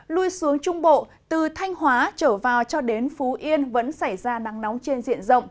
lui xuống trung bộ từ thanh hóa trở vào cho đến phú yên vẫn xảy ra nắng nóng trên diện rộng